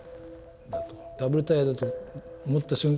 ダブルタイヤだと思った瞬間